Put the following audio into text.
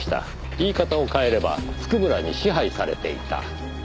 言い方を変えれば譜久村に支配されていた。